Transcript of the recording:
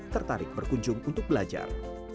tertarik berkunjung untuk belajar